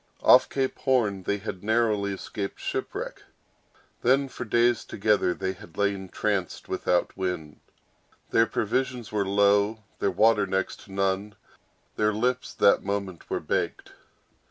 Off Cape Horn they had narrowly escaped shipwreck; then, for days together, they had lain tranced without wind; their provisions were low; their water next to none; their lips that moment were baked.